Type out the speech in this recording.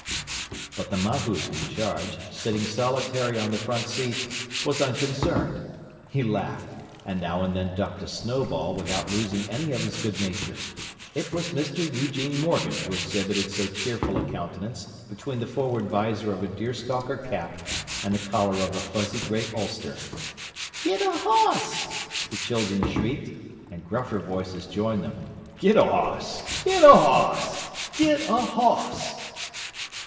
But the mahout in charge, sitting solitary on the front seat, was unconcerned—he laughed, and now and then ducked a snowball without losing any of his good nature. It was Mr. Eugene Morgan who exhibited so cheerful a countenance between the forward visor of a deer stalker cap and the collar of a fuzzy gray ulster. "Git a hoss!" the children shrieked, and gruffer voices joined them. "Git a hoss! Git a hoss! Git a _hoss!